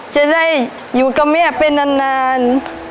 จะได้อยู่กับเมียเป็นนาน